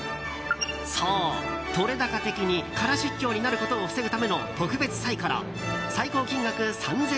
そう、撮れ高的に空出張になることを防ぐための特別サイコロ最高金額３０００円。